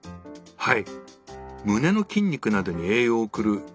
はい。